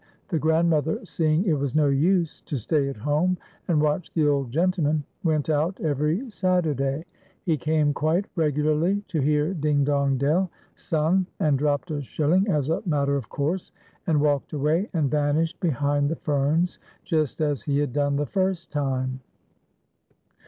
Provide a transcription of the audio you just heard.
The grand mother, seeing it was no use to stay at home and v. atch the old gentleman, went out every Saturday. He came quite regularl} to hear "Ding, dong, dell" sung, and dropped a shilling, as a matter of course, and walked away and vanished behind the ferns just as he had done the first time.